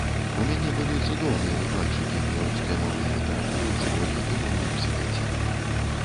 У мяне былі цудоўныя выкладчыкі беларускай мовы і літаратуры ў школе і ва ўніверсітэце.